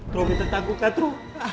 terungi tetanggu katru